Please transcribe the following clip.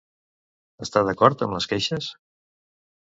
Està d'acord amb les queixes?